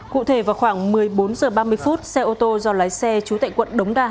cụ thể vào khoảng một mươi bốn h ba mươi phút xe ô tô do lái xe chú tại quận đống đa